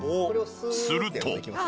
すると。